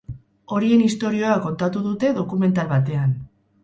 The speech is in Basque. Horien istorioa kontatu dute dokumental batean.